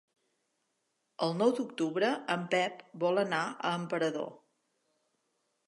El nou d'octubre en Pep vol anar a Emperador.